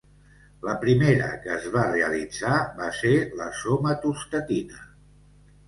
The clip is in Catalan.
La primera que es va realitzar va ser la somatostatina.